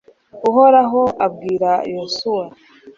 uhoraho abwira yozuwe